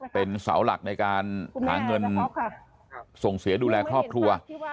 เป็นเสาหลักในการหาเงินส่งเสียดูแลครอบครัว